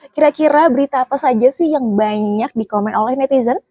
kira kira berita apa saja sih yang banyak dikomen oleh netizen